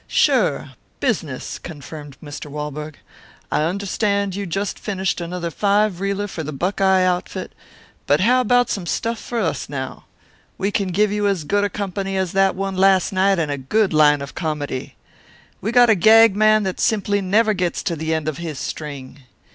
"Sure, business," confirmed Mr. Walberg. "I understand you just finished another five reeler for the Buckeye outfit, but how about some stuff for us now? We can give you as good a company as that one last night and a good line of comedy. We got a gag man that simply never gets to the end of his string.